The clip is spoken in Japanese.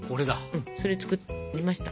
うんそれ作りました。